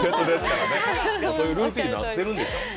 もうそういうルーチンなってるんでしょ。